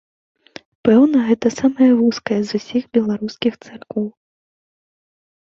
Пэўна, гэта самая вузкая з усіх беларускіх цэркваў.